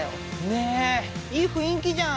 ◆ねえ、いい雰囲気じゃん。